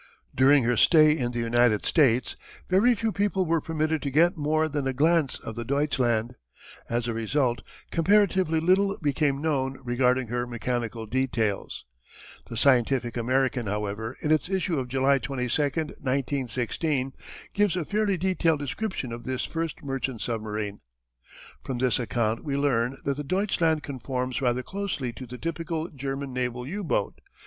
During her stay in the United States, very few people were permitted to get more than a glance of the Deutschland. As a result, comparatively little became known regarding her mechanical details. The Scientific American, however, in its issue of July 22, 1916, gives a fairly detailed description of this first merchant submarine. From this account we learn that the Deutschland conforms rather closely to the typical German naval U boat.